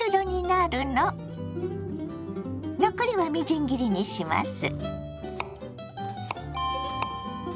残りはみじん切りにします。